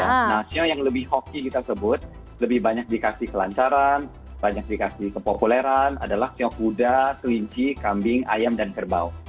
nah sio yang lebih hoki kita sebut lebih banyak dikasih kelancaran banyak dikasih kepopuleran adalah siok kuda kelinci kambing ayam dan kerbau